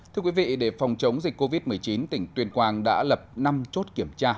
thưa quý vị để phòng chống dịch covid một mươi chín tỉnh tuyên quang đã lập năm chốt kiểm tra